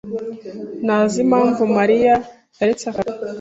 ntazi impamvu Mariya yaretse akazi.